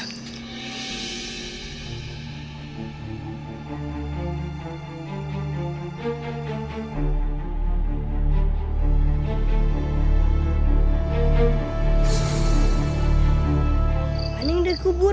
ada yang dikubur